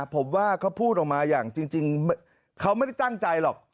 ผมว่าเขาพูดออกมาอย่างจริงเขาไม่ได้ตั้งใจหรอก